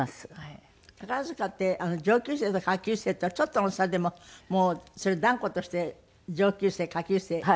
宝塚って上級生と下級生とちょっとの差でも断固として上級生下級生がある？